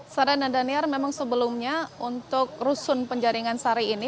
sarah dan daniar memang sebelumnya untuk rusun penjaringan sari ini